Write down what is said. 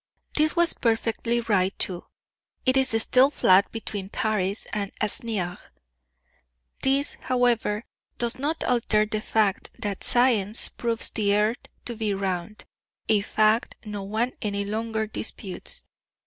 This was perfectly right too. It is still flat between Paris and Asnières. This, however, does not alter the fact that science proves the earth to be round a fact no one any longer disputes.